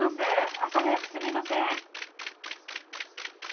朝早くすみません。